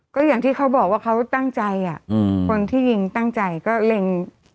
คนที่ยิงตั้งใจอะอือคนที่ยิงตั้งใจก็เร่ง